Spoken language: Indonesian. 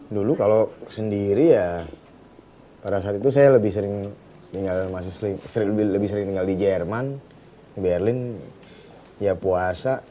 dulu kalau sendiri ya pada saat itu saya lebih sering tinggal di jerman berlin ya puasa